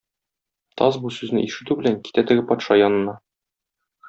Таз, бу сүзне ишетү белән, китә теге патша янына.